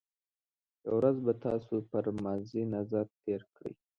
یو ورځ به تاسو پر ماضي نظر تېر کړئ.